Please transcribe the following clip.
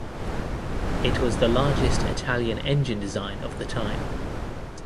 It was the largest Italian engine design of the time.